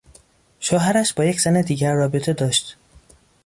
شوهرش با یک زن دیگر رابطه داشت.